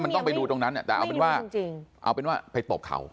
มันต้องไปดูตรงนั้นเนี่ยแต่เอาเป็นว่าไปตบเขา